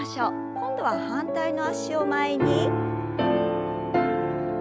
今度は反対の脚を前に。